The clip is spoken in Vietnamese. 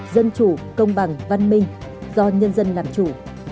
dân chủ công bằng văn minh do nhân dân làm chủ